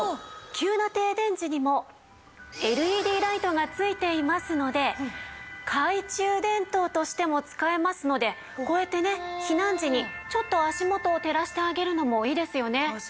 急な停電時にもＬＥＤライトが付いていますので懐中電灯としても使えますのでこうやってね避難時にちょっと足元を照らしてあげるのもいいですよね。